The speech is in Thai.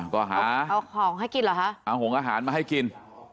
ก็หาเอาของให้กินเหรอคะเอาหงอาหารมาให้กิน